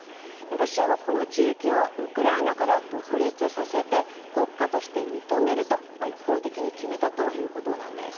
ロシアはこの地域をウクライナから独立させて国家として認めると一方的に決めたということです。